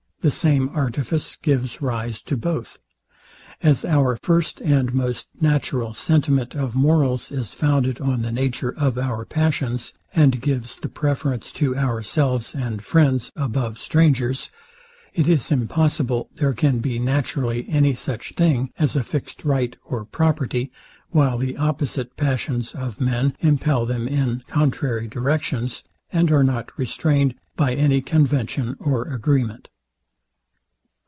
The same artifice gives rise to both. As our first and most natural sentiment of morals is founded on the nature of our passions, and gives the preference to ourselves and friends, above strangers; it is impossible there can be naturally any such thing as a fixed right or property, while the opposite passions of men impel them in contrary directions, and are not restrained by any convention or agreement.